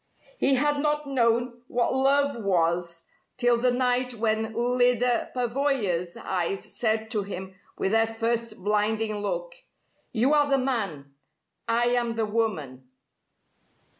He had not known what love was till the night when Lyda Pavoya's eyes said to him with their first blinding look, "You are the man; I am the woman."